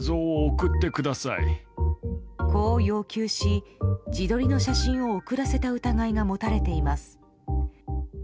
こう要求し自撮りの写真を送らせた疑いが持たれています。